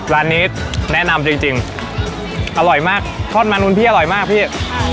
ร้านนี้แนะนำจริงอร่อยมากทอดมานุนพี่อร่อยมากพี่